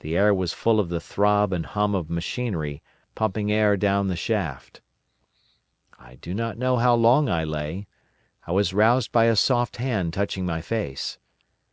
The air was full of the throb and hum of machinery pumping air down the shaft. "I do not know how long I lay. I was arroused by a soft hand touching my face.